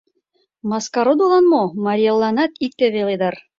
Маскародылан мо, Марий Элланат икте веле дыр.